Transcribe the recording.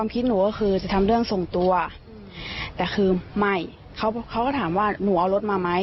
ปุ่มบ๊าย